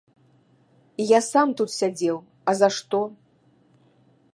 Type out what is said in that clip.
Я сам тут сядзеў, а за што?